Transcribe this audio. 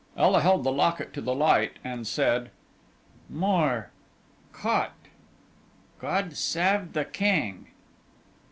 Ela held the locket to the light, and read: "Mor: Cot. God sav the Keng."